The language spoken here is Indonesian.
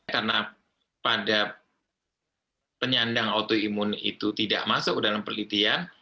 karena pada penyandang autoimun itu tidak masuk dalam pelitian